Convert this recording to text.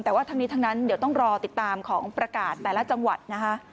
แต่ว่าทั้งนี้ทั้งนั้นเดี๋ยวต้องรอติดตามของประกาศแต่ละจังหวัดนะคะ